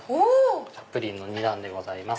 プリンの２段でございます。